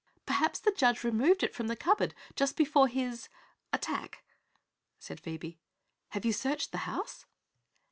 "Perhaps the judge removed it from the cupboard just before his his attack," said Phoebe. "Have you searched the house?"